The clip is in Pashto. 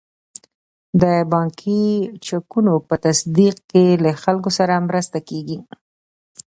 د بانکي چکونو په تصدیق کې له خلکو سره مرسته کیږي.